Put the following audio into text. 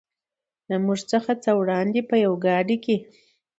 له موږ څخه لږ څه وړاندې په یوې ګاډۍ کې.